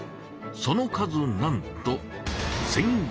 その数なんと１５００点！